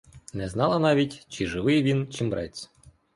Не знала навіть, чи живий він, чи мрець.